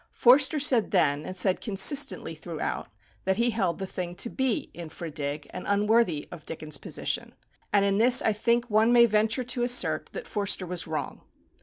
Forster said then, and said consistently throughout, that he held the thing to be "infra dig.," and unworthy of Dickens' position; and in this I think one may venture to assert that Forster was wrong.